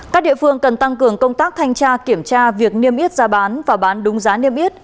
các địa phương cần tăng cường công tác thanh tra kiểm tra việc niêm yết giá bán và bán đúng giá niêm yết